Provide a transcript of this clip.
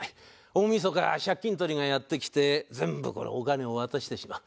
大みそか借金取りがやって来て全部これお金を渡してしまう。